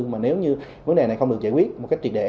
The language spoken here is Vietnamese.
mà nếu như vấn đề này không được giải quyết một cách triệt để